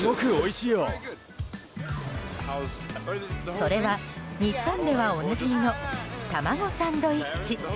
それは、日本ではおなじみの卵サンドイッチ。